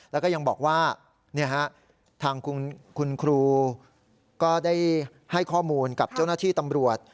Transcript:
แล้วก็ยังบอกว่าทางคุณครูก็ได้ให้ข้อมูลกับเจ้าหน้าที่ตำรวจ